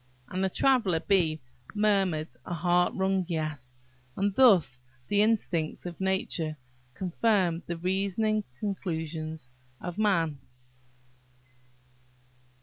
And the Traveller bee murmured a heart wrung "Yes." And thus the instincts of nature confirm the reasoning conclusions of man.